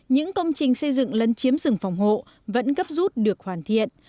những công trình xây dựng lấn chiếm rừng phòng hộ vẫn gấp rút được hoàn thiện